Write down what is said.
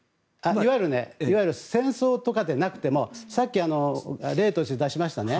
いわゆる戦争とかではなくてもさっき、例として出しましたね。